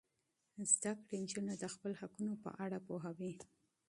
زده کړه نجونې د خپل حقونو په اړه پوهوي.